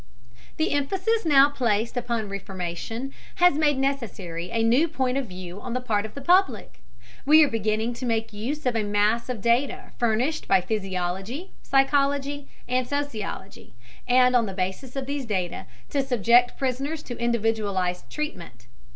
The emphasis now placed upon reformation has made necessary a new point of view on the part of the public. We are beginning to make use of a mass of data furnished by physiology, psychology, and sociology, and on the basis of these data to subject prisoners to individualized treatment.